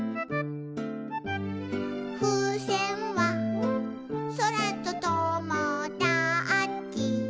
「ふうせんはそらとともだち」